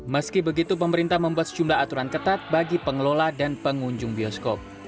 meski begitu pemerintah membuat sejumlah aturan ketat bagi pengelola dan pengunjung bioskop